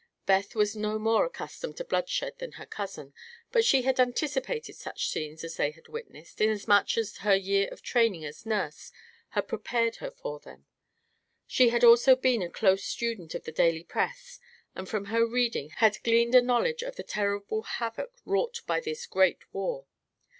Beth was no more accustomed to bloodshed than her cousin, but she had anticipated such scenes as they had witnessed, inasmuch as her year of training as nurse had prepared her for them. She had also been a close student of the daily press and from her reading had gleaned a knowledge of the terrible havoc wrought by this great war.